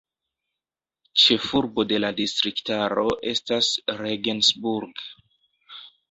Ĉefurbo de la distriktaro estas Regensburg.